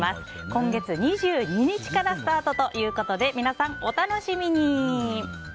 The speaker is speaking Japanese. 今月２２日からスタートということで皆さん、お楽しみに！